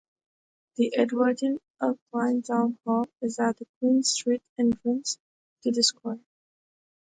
The Edwardian Auckland Town Hall is at the Queen Street entrance to the square.